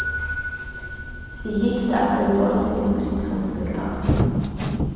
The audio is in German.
Sie liegt auf dem dortigen Friedhof begraben.